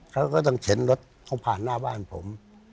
เขาก็ต้องเข็นรถเขาผ่านหน้าบ้านผม